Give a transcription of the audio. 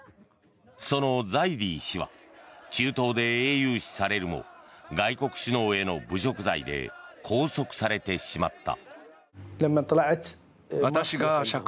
そのザイディ氏は中東で英雄視されるも外国首脳への侮辱罪で拘束されてしまった。